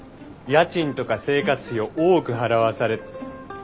家賃とか生活費を多く払わされ。